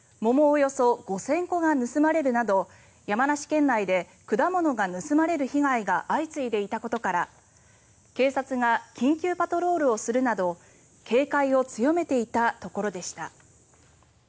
およそ５０００個が盗まれるなど山梨県内で果物が盗まれる被害が相次いでいたことから警察が緊急パトロールをするなど警戒を強めていたところでした。